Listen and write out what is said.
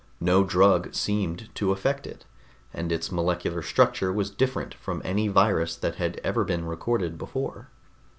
No drug seemed to affect it, and its molecular structure was different from any virus that had ever been recorded before.